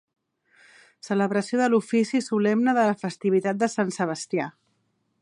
Celebració de l'ofici solemne de la festivitat de Sant Sebastià.